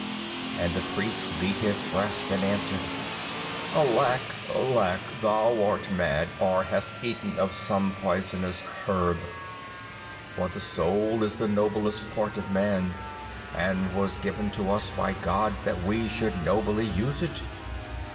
And the Priest beat his breast, and answered, 'Alack, alack, thou art mad, or hast eaten of some poisonous herb, for the soul is the noblest part of man, and was given to us by God that we should nobly use it.